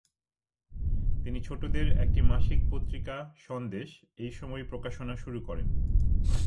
তিনি ছোটদের একটি মাসিক পত্রিকা, 'সন্দেশ', এই সময় প্রকাশনা শুরু করেন।